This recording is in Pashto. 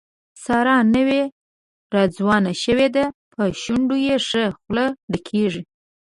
ساره نوې راځوانه شوې ده، په شونډو یې ښه خوله ډکېږي.